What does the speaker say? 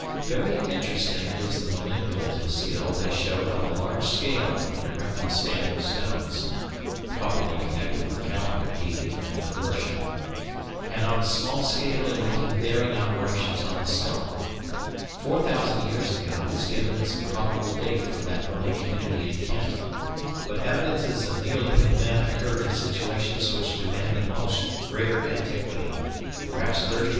Very interesting is the manipulative skill they showed on a large scale in erecting standing stones (probably connected with calendar keeping and with worship), and on a small scale in making daring operations on the skull. Four thousand years ago is given as a probable date for that early community in Kent, but evidences of Neolithic man occur in situations which demand a much greater antiquity perhaps 30,000 years. And man was not young then!